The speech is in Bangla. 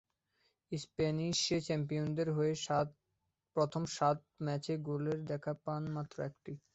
স্প্যানিশ চ্যাম্পিয়নদের হয়ে প্রথম সাত ম্যাচে গোলের দেখা পান মাত্র একটি।